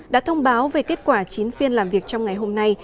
đã thông báo về kết quả chín phiên làm việc trong ngày hôm nay